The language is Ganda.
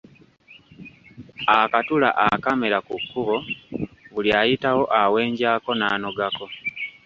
Akatula akaamera ku kkubo buli ayitawo awenjaako n’anogako.